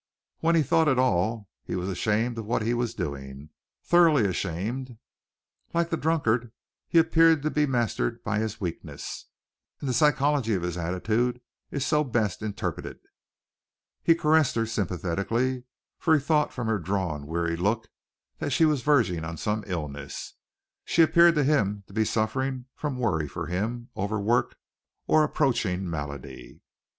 When he thought at all he was ashamed of what he was doing thoroughly ashamed. Like the drunkard he appeared to be mastered by his weakness, and the psychology of his attitude is so best interpreted. He caressed her sympathetically, for he thought from her drawn, weary look that she was verging on some illness. She appeared to him to be suffering from worry for him, overwork, or approaching malady.